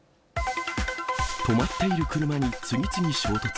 止まっている車に次々衝突。